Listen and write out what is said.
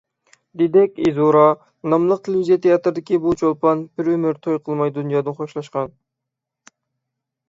«دېدەك ئىزورا» ناملىق تېلېۋىزىيە تىياتىرىدىكى بۇ چولپان بىر ئۆمۈر توي قىلماي دۇنيادىن خوشلاشقان.